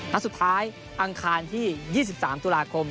นัดสุดท้ายอังคารที่๒๓ตุลาคม